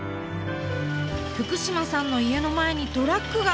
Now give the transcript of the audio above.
福島さんの家の前にトラックが！